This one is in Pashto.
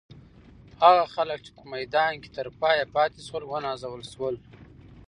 هغه خلک چې په میدان کې تر پایه پاتې شول، ونازول شول.